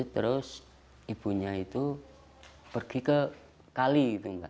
terus ibunya itu pergi ke kali